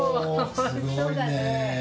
おいしそうだね。